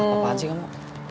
apaan sih kamu